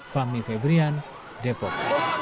fahmi febrian depok